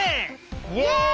イエイ！